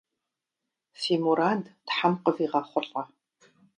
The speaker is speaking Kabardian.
Фи мурад тхьэм къывигъэхъулӏэ!